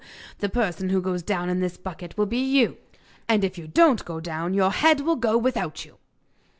The person who goes down in the bucket will be you! And if you don't go down your head will go without you!